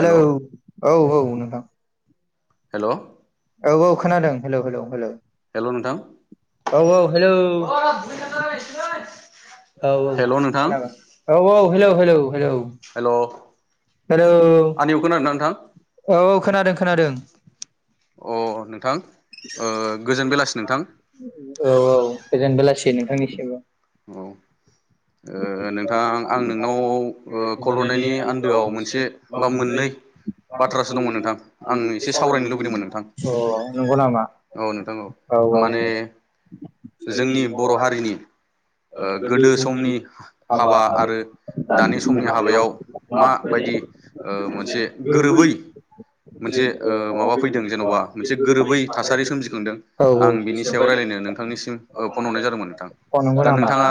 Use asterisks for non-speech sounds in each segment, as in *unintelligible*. हेल' औ औ नोंथां हेलौ औ औ खोनादों हेलौ हेलौ हेलौ हेलौ नोंथां औ औ हेलौ *unintelligible* औ औ हेल' नोंथां खोनादों औ औ hello hello hello hello hello औ औ खोनादों खोनादों अ नोंथां ओ गोजोन बेलासि नोंथां औ औ गोजोन बेलासि नोंथांनिसिमबो औ ओ नोंथां आं नोंनाव कल हरनायनि आन्दोआव मोनसे बा मोननै बाथ्रासो दङो नोंथां आं एसे सावरायनो लुगैदोंमोन नोंथां अ नंगौ नामा *inaudible* औ नोंथां औ माने जोंनि बर हारिनि ओ गोदो समनि हाबा आरो दानि समनि हाबायाव माबायदि ओ मोनसे गोरोबै मोनसे ओ माबा फैदों जेनबा मोनसे गोरोबै थासारि सोमजिखांदों औ आं बिनि सायाव रायलायनो नोंथांनिसिम फन हरनाय जादोंमोन नोंथां अ नंगौ दा नामा नोंथाङा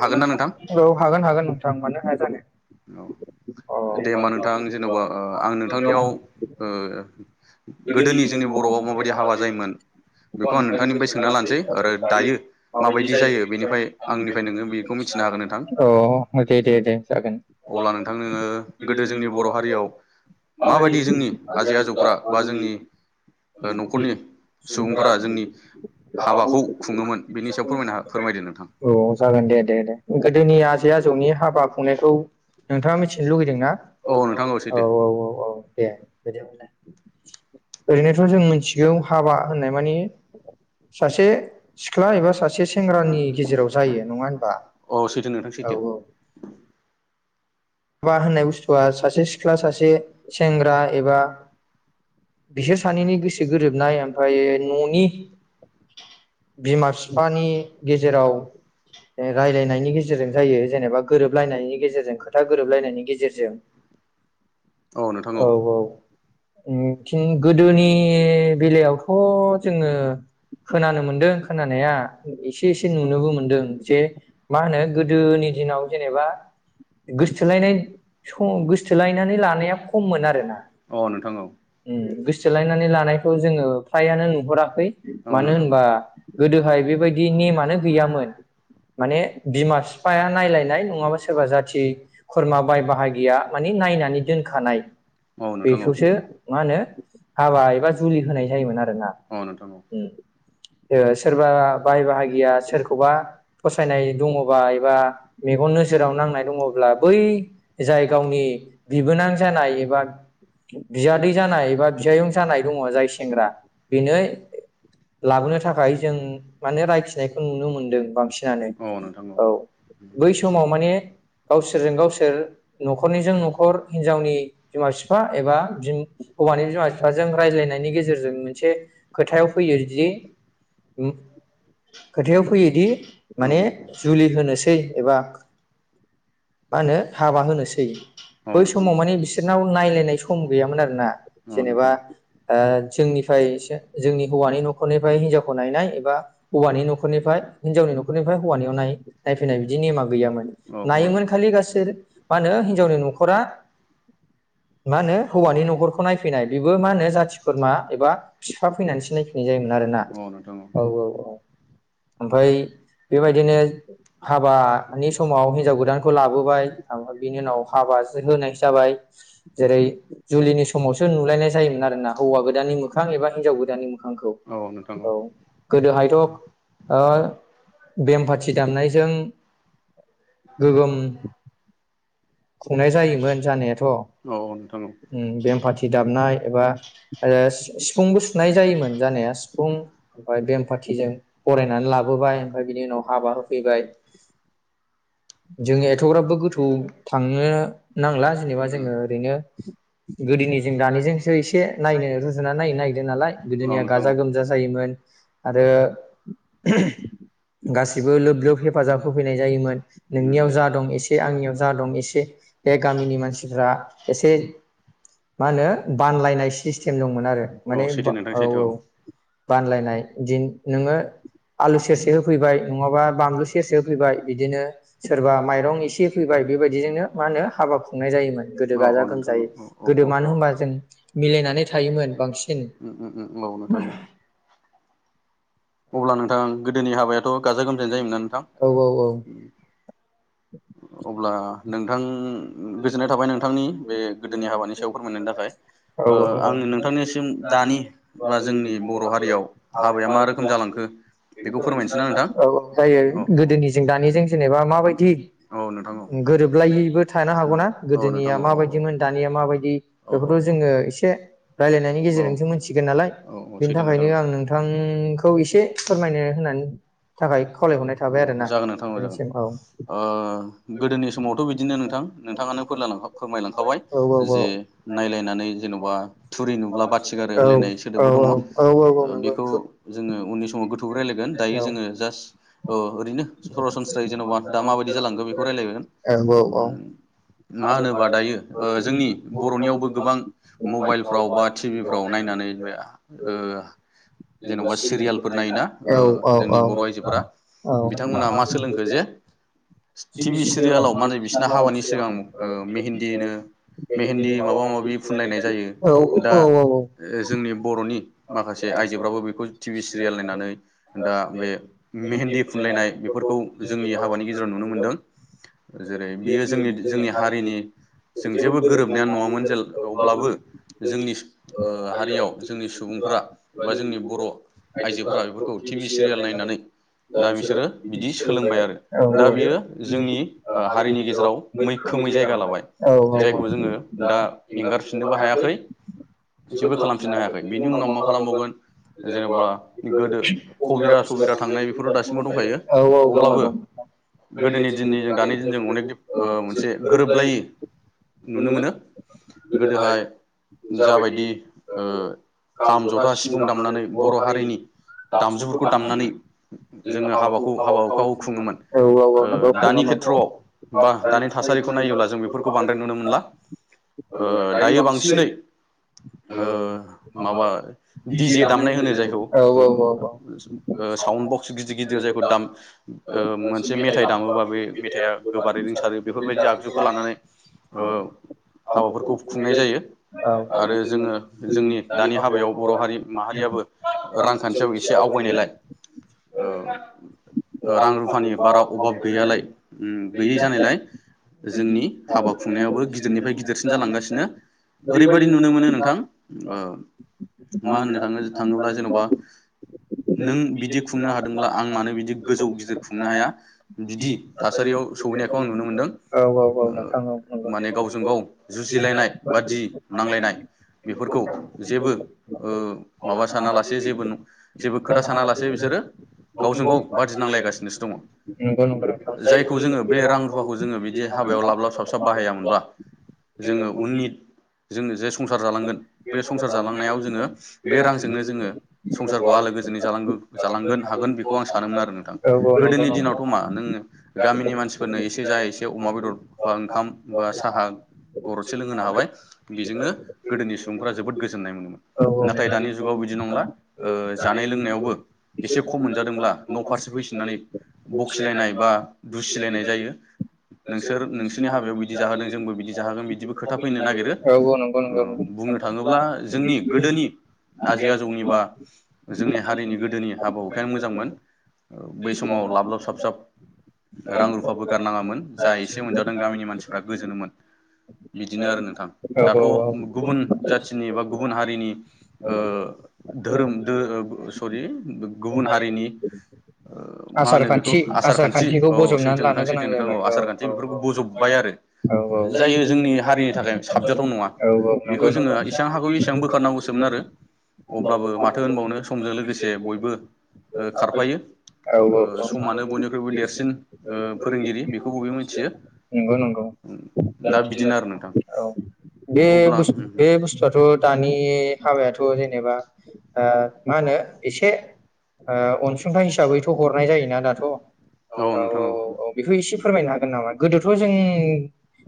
हागोन ना नोंथां औ हागोन हागोन नोंथां मानो हाया जानो औ अ आं दे होमबा नोंथां जेनबा ओ आं नोंथांनियाव नोंथांनियाव ओ गोदोनि जोंनि बर आव बर'आव मा बादि माबायदि हाबा जायोमोन हाबा जायोमोन बेखौ आं नोंथांनिफ्राय सोंना लानोसै आरो दायो माबायदि जायो बेनिफ्राय आंनिफ्राय नोङो बेखौ मिथिनो हागोन औ दे दे दे जागोन नोंथां अब्ला नोंथां नोङो गोदो जोंनि बर हारियाव माबायदि जोंनि आजै आजौफ्रा *inaudible* बा जोंनि ओ न'खरनि सुबुंफोरा जोंनि हाबाखौ खुङोमोन बेनि सायाव फोरमायना फोरमायदो नोंथां औ जागोन दे दे दे गोदोनि आजै आजौनि हाबा खुंनायखौ नोंथाङा मिथिनो लुगैदोंना औ औ औ औ औ दे बिदिलाय *inaudible* ओरैनोथ जों मिथिगौ हाबा होननाय माने मानि सासे सिख्ला एबा सासे सेंग्रानि गेजेराव जायो नङा होनबा औ औ अ सैथो नोंथां औ सैथो औ हाबा होननाय बुस्थुआ सासे सिख्ला सासे सेंग्रा एबा बिसोर सानैनि गोसो गोरोबनाय ओमफ्राय ननि बिमा बिफानि गेजेराव रायलायनायनि गेजेरजों जायो जेनेबा गोरोबलायनायनि गेजेरजों खोनथ गोरोबलायनायनि गेजेरजों औ नोंथां औ औ-औ उम थिं गोदोनि बेलायावथ जोङो खोनानो मोनदों खोनानाया एसे-एसे नुनोबो मोनदों जे मा होनो गोदोनि दिनाव जेनेबा। गोसथोलायनाय सम गोसथोलायनानै लानाया खममोन आरोना अ नोंथां औ गोसथोलायनानै लानायखौ जोङो फ्रायानो नुहुराखै मानो होनोबा गोदोहाय बेबायदि नेमानो गैयामोन माने बिमाफाया नायलायनाय नङाब सोरबा जाथि। खुरमा बाय-बाहागिया माने नायनानै दोनखानाय औ नोंथां औ बेखौसो मा होनो हाबा एबा जुलि होनाय जायोमोन आरोना औ नोंथां औ ओ सोरबा बाय बाहागिया सोरखौबा फसायनाय दङबा एबा मेगन नोजोराव नांनाय दङ। जाय गावनि बिबोनां जानाय एबा बियादै जानाय एबा बिजायं जानाय दङ जाय सेंग्रा बेनो लाबोनो थाखाय जों माने रायथिनायखौ नुनो मोनदों बांसिनानो औ बै समाव माने। *unintelligible* जेन‌गावसोर न'खरनिजों न'खर नखरनिजों-नखर हिनजावनि बिमा बिफा बिमा-बिफा एबा हौवानि बिमा-बिफाजों रायलायनायनि गेजेरजों मोनसे खोथायाव फैयोदि-खोथायाव फैयोदि माने जुलि होनोसै एबा। मा होनो हाबा होनोसै औ बै नोंथां औ नोंथां औ नोंथां औ समाव माने बिसोरनाव नायलायनाय सम गैयामोन आरोना औ जेनेबा ओ जोंनिफ्रायसो जोंनि हौवानि नखरनिफ्राय हिनजावखौ नायनाय एबा हौवानि नखरनिफ्राय हिनजावनि नखरनिफ्राय हौवानिनाय नाय- नायफैनाय बिदि नेमा गैयामोन। हायोमोन खालि। गासोर मा होनो मानो हिनजावनि हिजावनि नखरा मा होनो हौवानि नखरखौ नायफैनाय खौबो मा होनो जाथि खुरमा बा सिख्ला फैनानैसो नायफैनाय जायोमोन आरोना औ नोंथां औ औ ओमफाय बेबायदिनो हाबानि समाव हिनजाव। लाबोबाय बिनि उनाव हाबा नि होनाय जाबाय जेरै जुलिनि समावसो नुलायनाय जायोमोन आरोना हौवा गोदाननि मोखां एबा हिनजाव गोदाननि मोखांखौ औ गोदोहायथ ओ बेमफारथि दामनायजों। गोगोम खुंनाय जायोमोन जानायाथ उम बेमफारथि दामनाय एबा सिफुंबो सुनाय जायोमोन जानाया सिफुं ओमफाय बेमफारथिजों बरायनानै लाबोबाय ओमफाय बिनि उनाव हाबा होफैबाय। जों एथग्राबबो गोथौ। थांनो नांला जेनेबा जोङो ओरैनो गोदोनिजों दानिजोंसो एसे नायनो रुजुनानै नायनो नागिरदों नालाय गोदोनिया गाजा गोमजा जायोमोन आरो गासिबो लोब लोब। हेफाजाब होफैनाय जायोमोन नोंनियाव जा दं एसे आंनियाव जा नोंथां दं औ एसे। एसे बे गामिनि मानसिफ्रा एसे मा होनो बानलायनाय सिस्टेम दंमोन आरो माने औ सैथो बा नोंथां सैथो औ-औ औ बानलायनाय दिन नोङो आलु सेरसे होफैबाय नङाबा बानलु सेरसे होफैबाय बिदिनो। सोरबा माइरं एसे होफैबाय बेबायदि। बिदिजोंनो मा नो हाबा खुंनाय जायोमोन गोदो औ गाजा- औ नोंथां गोमजायै औ औ गोदो औ मानो होमबा जों मिलायनानै थायोमोन बांसिन। उम उम उम औ नोंथां औ अब्ला नोंथां गोदोनि हाबाया थ गाजा गोमजायै जायोमोनना नोंथां औ औ औ-औ। अब्ला नोंथां गोजोननाय थाबाय नोंथांनि बे गोदोनि हाबानि सायाव फोरमायनायनि थाखाय औ ओ आं नोंथांनिसिम दानि बा जोंनि बर हारियाव हाबाया मा रोखोम जालांखो बेखौ फोरमायनोसै ना नोंथां औ-औ जायो औ औ गोदोनिजों दानिजों जेनेबा माबायदि औ नोंथां औ गोरोबलायिबो थानो हागौना औ नोंथां गोदोनिया औ माबायदिमोन दानिया माबायदि औ औ बेखौथ जोङो एसे रायलायनायनि औ गेजेरजोंसो मोनथिगोन नालाय बेनि सैथो नोंथां थाखायनो औ आं नोंथांखौ इसे फोरमायनो होनानो थाखाय खावलायहरनाय थाबाय आरोना नोंथांनिसिम औ। ओ‌ गोदोनि समावथ बिदिनो नोंथां नोंथाङानो फोरना-। फोरमायलांखाबाय औ जे औ नायलायनानै जेनबा थुरि नुब्ला बाथि गारो होनलायनाय औ सोदोबबो दङ औ औ नंगौ औ बेखौ जोङो उननि समाव गोथौ रायलायगोन औ दायो जोङो जास ओ ओरैनो सरासनस्रायै जेनबा दा माबायदि जालां खौ औ *unintelligible* मा होनोबा दायो जोंनि बरनियावबो गोबां मबाइलफ्राव बा टिभिफ्राव नायनानै बे ओ जेनबा नायोना ओ औ -औ- जोंनि बर' औ- आइजोफोरा औ आइजोफोरा बिथांमोना मा सोलोंखो जे टिभि सिरियालाव माने बिसिना हाबानि सिगां ओ मेहेन्दिनो मेहेन्दि माबा माबि फुनलायनाय जायो दा ओ जोंनि बरनि माखासे आइजोफ्राबो बेखौ भि सिरियेल नायनानै दा बे मेहेन्ददि फुनलायनाय बेफोरखौ जोंनि हाबानि गेजेराव नुनो जेरै बियो जोंनि जोंनि हारिनि जों जेबो गोरोबनायानो नङामोन जेल अब्लाबो जोंनि हारियाव जोंनि सुबुंफोरा बा जोंनि बर आइजोफ्रा बेखौ टिभि सिरियाल नायनानै दा बिसोरो बिदि सोलोंबाय औ- औ आरो दा बियो जोंनि ओ हारिनि गेजेराव मैखोमै जायगा लाबाय जायखौ जोङो दा एंगारफिननोबो हायाखै जेबो खालामफिननो हायाखै बिनि उनाव मा खालामबावगोन जेनेबा गोदो कबिरा सबिरा थांनाय *unintelligible* बेफोरो दासिमबो दंखायो अब्लाबो *inaudible* गोदोनि दिननि जों दानि दिनजों अनेक ओ मोनसे गोरोबलायै नुनो मोनो गोदोहाय जाबायदि ओ खाम जथा सिफुं दामनानै बर हारिनि दामजुफोरखौ दामनानै जोङो हाबाखौ हाबा हुखाखौ खुङोमोन औ औ औ ओ नंगौ दानि खुङोमोन औ खेथ्रआव बा दानि थासारिखौ नायोब्ला जों बेफोरखौ बांद्राय नुनो मोनला ओ दायो बांसिनै ओ माबा दि जे दामनाय होनो जायखौ औ औ औ ओ साउनद बक्स गिदिर गिदिर जायखौ दाम ओ मोनसे मेथाइ दाम होबा बे मेथाइआ गोबारै रिंसारो बेफोरबायदि आगजुखौ लानानै ओ हाबाफोरखौ खुंनाय जायो औ आरो जोङो जोंनि दानि हाबायाव बरहारि माहारियाबो रांखान्थियाव एसे आवगायनायलाय ओ ओ रां रुफानि बारा अभाब गैयालाय उम गैयै जानायलाय जोंनि हाबा खुंनायाबो गिदिरनिफ्राय गिदिरसिन जालांगासिनो ओरैबायदि नुनो मोनो नोंथां ओ मा होननो थाङो- थाङोब्ला जेनबा नों बिदि खुंनो हादोंब्ला आं मानो बिदि गोजौ गिदिर खुंनो हाया। बिदि थासारियाव सहैनायखौ आं नुनो मोनदों औ औ ओ नोंथां औ नंगौ माने नंगौ गावजों गाव जुजिलायनाय बादि नांलायनाय बेफोरखौ जेबो ओ माबा सानालासे जेबो न जेबो खोथा सानालासे बिसोरो गावजों गाव बादि नांलायगासिनोसो दङ। जायखौ जोङो बे रां रुफाखौ बिदि हाबायाव लाब लाब साबसाब बाहायामोनबा जोङो उननि जोंनो जे संसार जालांगोन बे संसार जालांनायाव जोङो बे रांजोंनो जोङो संसारखौ आलो गोजोनै जालांगु जालांगोन हागोन बेखौ आं सानोमोन आरो नोंथां। गोदोनि दिनावथ' मा नों गामिनि मानसिफोरनो एसे जा एसे अमा बेदर बा ओंखाम बा साहा गरदसे लोंहोनो हाबाय बेजोंनो गोदोनि सुबुंफ्रा जोबोद गोजोननाय मोनोमोन। नाथाय दानि जुगाव बिदि नंला ओ जानाय लोंनायावबो एसे खम मोनजादोंब्ला न फारसे फैफिननानै बखिलायनाय बा दुसिलायनाय जायो नोंसोर नोंसोरनि हाबायाव बिदि जाहोदों जोंबो बिदि जाहोगोन बिदिबो खोथा फैनो नागिरो ओ। बुंनो नंगौ थाङोब्ला जोंनि गोदोनि आजै आजौनि बा जोंनि हारिनि गोदोनि हाबा हुखायानो मोजांमोन। बै समाव लाब लाब साब साब रां रुफाबो गारनाङामोन जा एसे मोनजादों गामिनि मानसिफ्रा गोजोनोमोन बिदिनो आरो नोंथां औ दाथ उ औ गुबुन जाथिनि बा गुबुन हारिनि ओ धोरोम दो सरि बु गुबुन हारिनि ओ मा आसार होनो बेखौ खान्थि आसार आसारखान्थि खान्थिखौ औ बजबनानै सैथो लानो नोंथां सैथो गोनां नोंथां जाबाय औ आसारखान्थि औ बेफोरखौ बोजबबाय आरो औ औ जाय जोंनि हारिनि थाखाय साबजाथाव नङा। औ नंगौ खौ जोङो इसां हागौ इसां बोखारनांगौसोमोन आरो। अब्लाबो होनबावनो माथो समजों लोगोसे होनबावनो बयबो समजों ओ लोगोसे खारफायो बयबो ओ समानो खारफायो। बयनिख्रुइबो देरसिन समानो ओ बयनिख्रुइबो फोरोंगिरि बेखौ देरसिन बयबो मिथियो ओ फोरोंगिरि बेखौ दा बयबो बिदिनो आरो नोंथां मिथियो। दा अब्ला बिदिनो बे बुस्थुआथ' दानि हाबायाथ' थ' जेनेबा ओ मा होनो इसे ओ अनसुंथाइ हिसाबैथ' हरनाय जायोना दाथ' औ नोंथां बेखौ इसे फोरमायनो हागोन नामा? गोदोथ' जों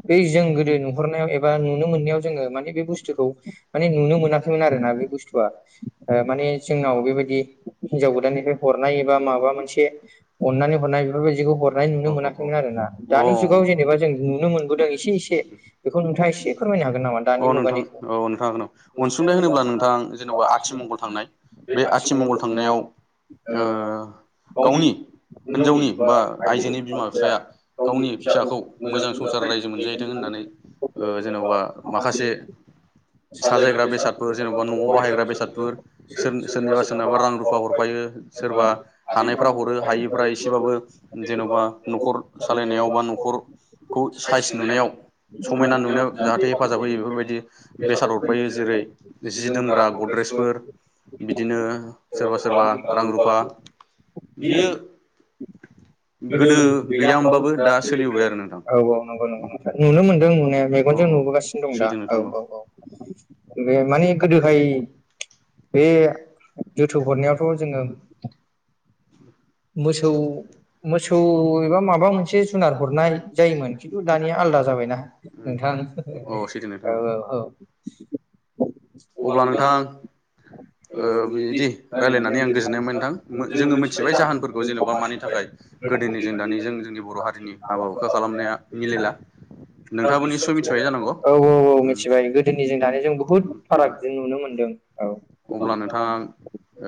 बै जों गोदो नुहुरनायाव एबा नुनो मोननायाव जोङो माने बे बुस्थुखौ माने नुनो मोनाखैमोन। खैमोन आरो ना बे बुस्थुआ ओ माने जोंनाव बेबादि हिनजाव गोदाननिफ्राय हरनाय एबा माबा मोनसे अननानै हरनाय बेफोरबायदिखौ हरनाय औ नुनो मोनाखैमोन आरो ना औ दानि जुगाव जेनेबा जों नुनो मोनबोदों एसे एसे बेखौ नोंथाङा एसे फोरमायनो हागोन नामा दानि मुगानि औ नोंथां हागोन औ अनसुं सुंथाइ होनोब्ला नोंथां जेनबा आथिमंगल थांनाय बे आथिमंगल थांनायाव ओ गावनि हिनजावनि बा आइजोनि बिमा बिफाया गावनि फिसाखौ मोजां संसार रायजो मोनजाहैथों होननानै ओ जेनबा माखासे साजायग्रा बेसाद फोर जेनबा नआव बाहायग्रा बेसादफोर सोर-सोरनिबा सोरनाबा रां रुफा हरफायो सोरबा हानायफ्रा हरो हायैफ्रा एसेबाबो जेन'बा नखर सालायनायाव बा नखर खौ सायस नुनायाव समायना नुनायाव जाहाथे हेफाजाब होयो बेफोरबायदि बेसाद हरफायो जेरै जि दोमग्रा गद्रेसफोर बिदिनो सोरबा सोरबा रां रुफा बियो गोदो गैया गैयामोमबाबो होमबाबो दा सोलिबोबाय आरो नोंथां आरो औ औ सैथो नोंथां। नोंथां औ औ औ माने गोदोहाय बे जोथोब हरनायावथ जोङो मोसौ-मोसौ एबा माबा मोनसे जुनार हरनाय जायोमोन खिन्थु दानिया आलदा जाबायना नोंथां। औ सैथो नोंथां औ औ औ। अब्ला नोंथां ओ बिदि रायलायनानै आं गोजोननाय मोनबाय नोंथां जोङो मिथिबाय जाहोनफोरखौ जेनबा मानि थाखाय गोदोनिजों दानिजों जोंनि बर हारिनि हाबा हुखा खालामनाया मिलायला। नोंथाङाबो निसय मिथिबाय जानांगौ? औ औ औ उम मिथिबाय गोदोनिजों दानिजों बुहुत फारागथि नुनो मोनदों। औ। अब्ला गोबांथा नोंथां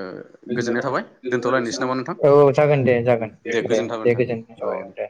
ओ थाबाय। दोनथलायनोसै नामा? औ जागोन दे जागोन। गोजोननाय थाबाय दे नोंथां औ गोजोनथों। जाबाय औ दे।